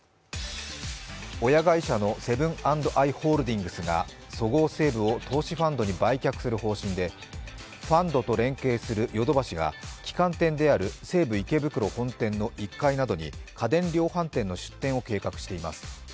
親会社のセブン＆アイ・ホールディングスがそごう・西武を投資ファンドに売却する方針で、ファンドと連携するヨドバシが旗艦店である西武池袋本店の１階などに家電量販店の出店を計画しています。